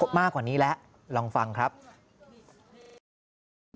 มีทำงานร่างกายเอาเงินลูกไหม